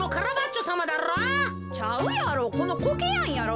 ちゃうやろ。